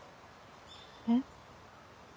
えっ？